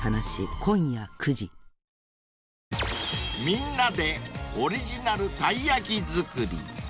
［みんなでオリジナルたい焼き作り］